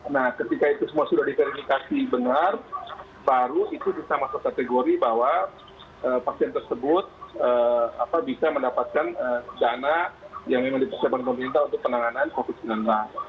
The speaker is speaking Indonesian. nah ketika itu semua sudah diverifikasi benar baru itu bisa masuk kategori bahwa pasien tersebut bisa mendapatkan dana yang memang dipersiapkan pemerintah untuk penanganan covid sembilan belas